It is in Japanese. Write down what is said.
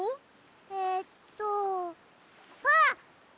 えっとあっ！